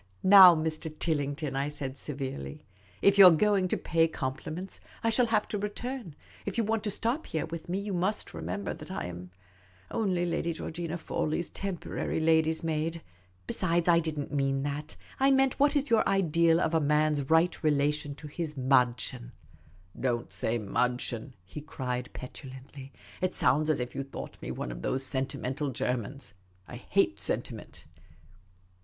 " Now, Mr. TilHngton," I said severely, " if you 're going to pay compliments, I shall have to return. If you want to stop here with me, you must remember that I am only Lady Georgina Fawley's temporary lady's maid. Besides, I did n't mean that. I meant, what is your ideal of a man's right relation to his viddchen ?'*" Don't say madchen,'" he cried, petulantly. " It sounds as if you thought me one of those sentimental Germans. I hate sentiment."